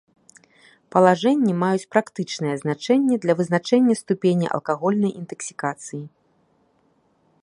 Палажэнні маюць практычнае значэнне для вызначэння ступені алкагольнай інтаксікацыі.